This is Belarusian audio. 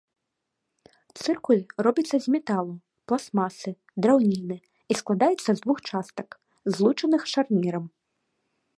Цыркуль робіцца з металу, пластмасы, драўніны і складаецца з двух частак, злучаных шарнірам.